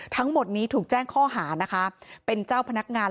ทั้งหมดนี้ถูกแจ้งข้อหานะคะเป็นเจ้าพนักงาน